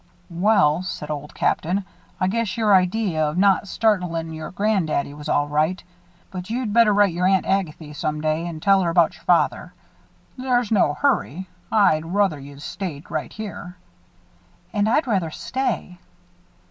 "Well," said Old Captain, "I guess your idee of not startling your gran' daddy was all right. But you'd better write your Aunt Agathy, some day, an' tell her about your father. There's no hurry. I'd ruther you stayed right here." "And I'd rather stay."